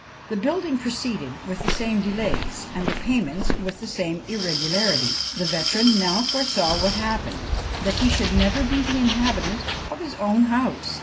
The building proceeded with the same delays, and the payments with the same irregularity; the veteran now foresaw what happened, that he should never be the inhabitant of his own house!